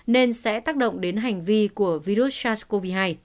nên sẽ tác động đến hành vi của virus sars cov hai